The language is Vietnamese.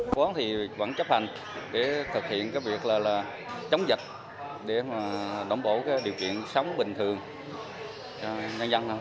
chủ quán vẫn chấp hành để thực hiện việc chống dịch để đóng bổ điều kiện sống bình thường cho nhân dân